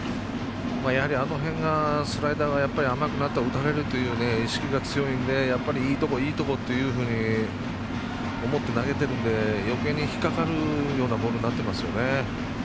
やはり、あの辺はスライダーは甘くなると打たれるという意識が強いんでやっぱり、いいところいいところっていうふうに思って投げてるので、よけいに引っ掛かるようなボールになってますよね。